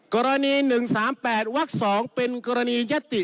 กรณี๑๓๘วัก๒เป็นกรณียัตติ